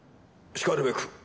しかるべく。